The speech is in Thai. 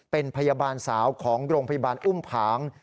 เป็นพยาบาลสาวของโรงพยาบาลอุ้มผาง